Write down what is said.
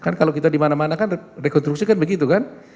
kan kalau kita dimana mana kan rekonstruksi kan begitu kan